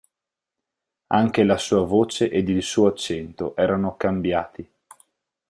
Anche la sua voce ed il suo accento erano cambiati.